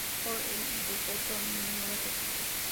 Por el Decreto Nro.